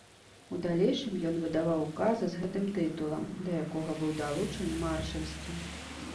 У далейшым ён выдаваў указы з гэтым тытулам, да якога быў далучаны маршальскі.